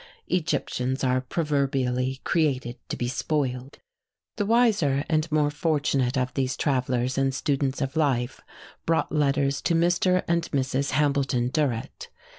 Egyptians are proverbially created to be spoiled. The wiser and more fortunate of these travellers and students of life brought letters to Mr. and Mrs. Hambleton Durrett.